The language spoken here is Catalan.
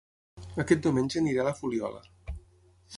Aquest diumenge aniré a La Fuliola